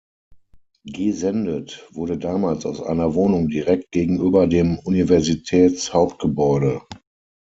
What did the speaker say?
Gesendet wurde damals aus einer Wohnung direkt gegenüber dem Universitäts-Hauptgebäude.